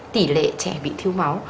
tỉ lệ trẻ bị thiếu máu